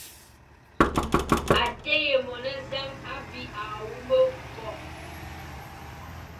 A fyelé monezañ abi à wu me bo,